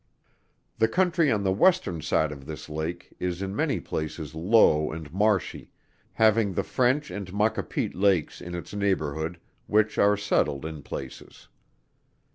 The country on the Western side of this lake is in many places low and marshy, having the French and Maquapit lakes in its neighborhood which are settled in places.